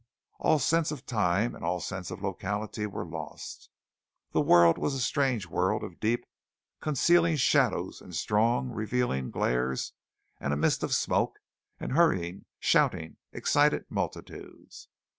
All sense of time and all sense of locality were lost. The world was a strange world of deep, concealing shadows and strong, revealing glares, and a mist of smoke, and hurrying, shouting, excited multitudes.